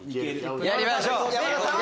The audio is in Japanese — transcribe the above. やりましょう。